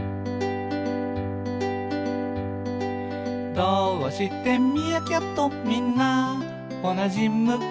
「どーうしてミーアキャットみんなおなじ向き？」